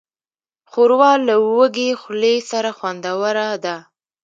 ښوروا له وږې خولې سره خوندوره ده.